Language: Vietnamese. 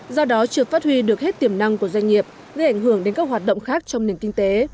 do đó chưa phát huy được hết tiềm năng của doanh nghiệp gây ảnh hưởng đến các hoạt động khác trong nền kinh tế